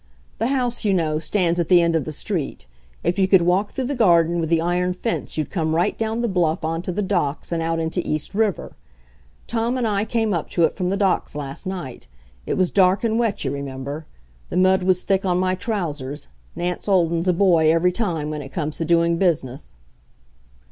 The house, you know, stands at the end of the street. If you could walk through the garden with the iron fence you'd come right down the bluff on to the docks and out into East River. Tom and I came up to it from the docks last night. It was dark and wet, you remember. The mud was thick on my trousers Nance Olden's a boy every time when it comes to doing business.